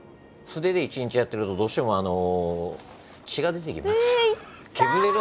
素手で一日やっているとどうしても血が出てきます。